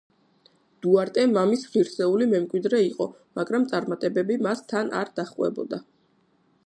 დუარტე მამის ღირსეული მემკვიდრე იყო, მაგრამ წარმატებები მას თან არ დაჰყვებოდა.